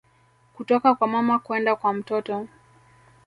Kutoka kwa mama kwenda kwa mtoto